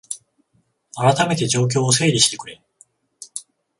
あらためて状況を整理してくれ